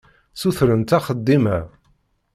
Ssutrent axeddim-a.